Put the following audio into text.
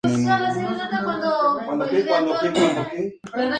Se disputó en una sola rueda, por el sistema de todos contra todos.